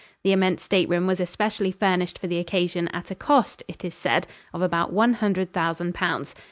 The immense stateroom was especially furnished for the occasion at a cost, it is said, of about one hundred thousand pounds.